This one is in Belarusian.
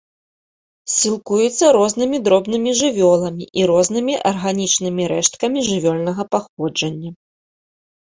Сілкуецца рознымі дробнымі жывёламі і рознымі арганічнымі рэшткамі жывёльнага паходжання.